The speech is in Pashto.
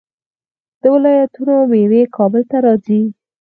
د ولایتونو میوې کابل ته راځي.